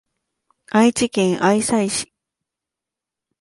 愛知県愛西市